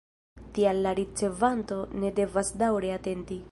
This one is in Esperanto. Tial la ricevanto ne devas daŭre atenti.